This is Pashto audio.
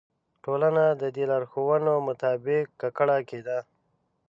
ټولنه د دې لارښوونو مطابق ککړه کېده.